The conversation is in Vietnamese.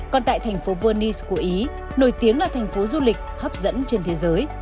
còn tại thành phố venice của ý nổi tiếng là thành phố du lịch hấp dẫn trên thế giới